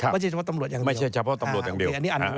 ไม่ใช่เฉพาะตำรวจอย่างเดียว